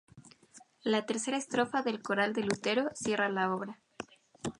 La tercera estrofa del coral de Lutero cierra la obra.